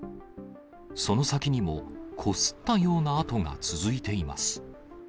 その先にも、こすったような跡が続いています。